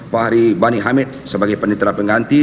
pak hari bani hamid sebagai penitra pengganti